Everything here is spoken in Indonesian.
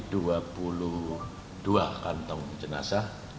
dua kantong jenasa